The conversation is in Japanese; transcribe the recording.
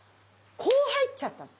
こう入っちゃったの。